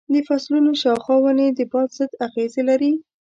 د فصلونو شاوخوا ونې د باد ضد اغېز لري.